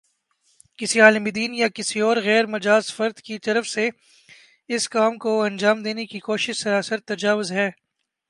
کسی عالمِ دین یا کسی اور غیر مجاز فرد کی طرف سے اس کام کو انجام دینے کی کوشش سراسر تجاوز ہے